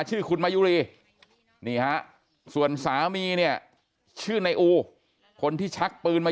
ชื่อคุณมายุรีนี่ฮะส่วนสามีเนี่ยชื่อในอูคนที่ชักปืนมา